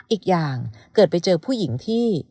อีกอย่างเกิดไปเจอผู้หญิงที่